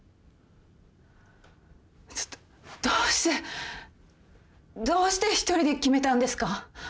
どうしてどうして１人で決めたんですか？